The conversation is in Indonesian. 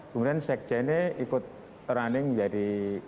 kemudian sekjennya ikut running menjadi